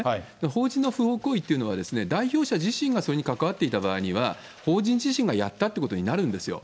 法人の不法行為っていうのは、代表者自身がそれに関わっていた場合には、法人自身がやったってことになるんですよ。